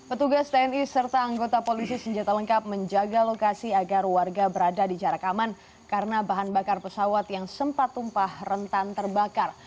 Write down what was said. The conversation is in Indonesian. petugas tni serta anggota polisi senjata lengkap menjaga lokasi agar warga berada di jarak aman karena bahan bakar pesawat yang sempat tumpah rentan terbakar